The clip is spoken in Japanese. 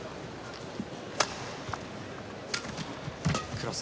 クロス。